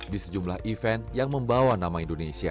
di sejumlah event yang membawa nama indonesia